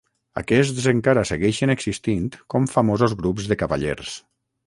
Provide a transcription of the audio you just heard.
Aquests encara segueixen existint com famosos grups de cavallers.